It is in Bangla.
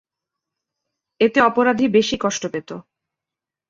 এতে অপরাধী বেশি কষ্ট পেত।